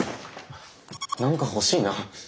何か欲しいな。